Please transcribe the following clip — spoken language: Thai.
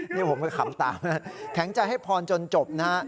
นี่ผมก็ขำตามนะแข็งใจให้พรจนจบนะฮะ